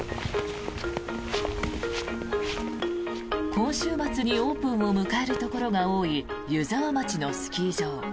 今週末にオープンを迎えるところが多い湯沢町のスキー場。